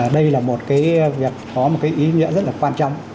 đây là một việc có ý nghĩa rất là quan trọng